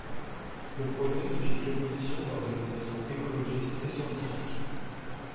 Le projet suscite l'opposition d'organisations écologistes et scientifiques.